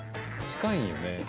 ［近いんよね］